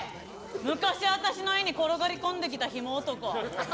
昔、私の家に転がり込んできたヒモ男！